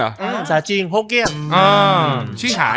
ภาษาจีนโฮเกียร์